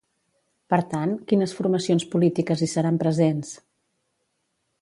Per tant, quines formacions polítiques hi seran presents?